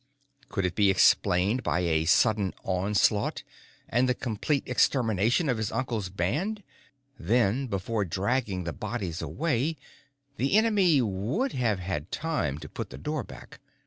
Could it be explained by a sudden onslaught and the complete extermination of his uncle's band? Then, before dragging the bodies away, the enemy would have had time to put the door back.